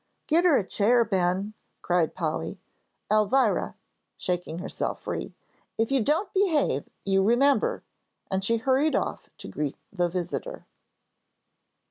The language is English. "Get her a chair, Ben," cried Polly. "Elvira," shaking herself free, "if you don't behave, you remember," and she hurried off to greet the visitor.